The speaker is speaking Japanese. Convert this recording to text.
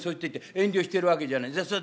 遠慮してるわけじゃないそれ